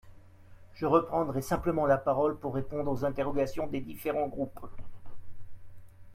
Je reprendrai simplement la parole pour répondre aux interrogations des différents groupes.